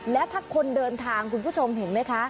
และถ้าคนเดินทางคุณผู้ชมเห็นไหมคะ